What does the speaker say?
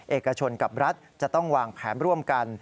เอกชนกับรัฐจะต้องวางแผนร่วมกัน